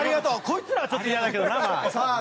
「こいつら」はちょっと嫌だけどなまあ。